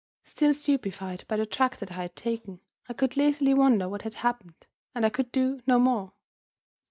Still stupefied by the drug that I had taken, I could lazily wonder what had happened, and I could do no more.